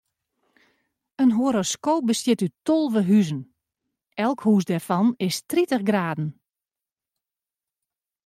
In horoskoop bestiet út tolve huzen, elk hûs dêrfan is tritich graden.